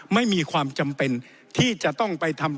ไม่มีความจำเป็นที่จะต้องไปทำ